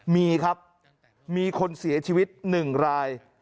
มีครับมีคนเสียชีวิต๑ราย